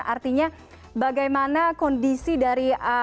artinya bagaimana kondisi dan kondisi anak anak